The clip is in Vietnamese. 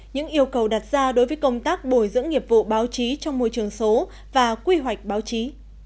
những yêu cầu đặt ra đối với công tác bồi dưỡng nghiệp vụ báo chí trong môi trường số và quy hoạch báo chí